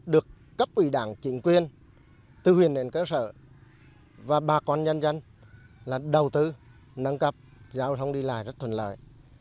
được cấp ủy đảng chính quyền tư huyền nền cơ sở và bà con nhân dân đầu tư nâng cấp giao thông đi lại rất thuận lợi